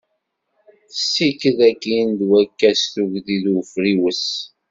Tessikid akin d wakka s tugdi d ufriwes.